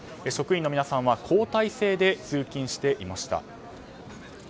職員の皆さんは交代制で通勤していました。